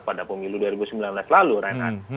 pada pemilu dua ribu sembilan belas lalu renhat